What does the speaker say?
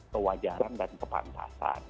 kewajaran dan kepantasan